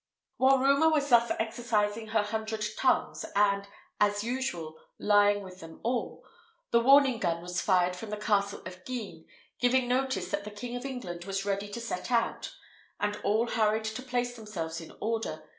While rumour was thus exercising her hundred tongues, and, as usual, lying with them all, the warning gun was fired from the castle of Guisnes, giving notice that the King of England was ready to set out, and all hurried to place themselves in order.